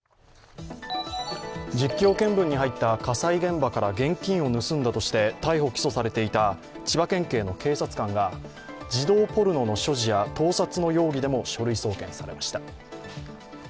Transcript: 実況見分に入った火災現場から現金を盗んだとして逮捕・起訴されていた千葉県警の警察官が児童ポルノの所持や盗撮の容疑でも書類送検されました。